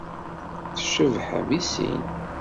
Tcebḥem i sin.